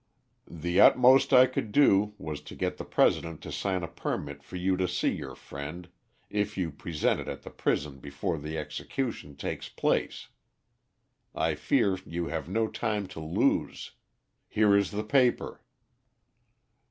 The utmost I could do, was to get the President to sign a permit for you to see your friend, if you present it at the prison before the execution takes place. I fear you have no time to lose. Here is the paper."